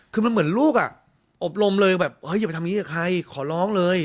คือมันเหมือนลูกอ่ะอบรมเลยแบบเฮ้ยอย่าไปทำอย่างนี้กับใครขอร้องเลย